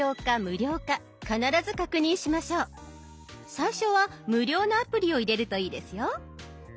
最初は無料のアプリを入れるといいですよ。